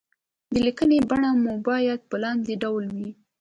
د ليکنې بڼه مو بايد په لاندې ډول وي.